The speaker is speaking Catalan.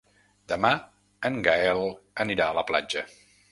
Demà en Gaël anirà a la platja.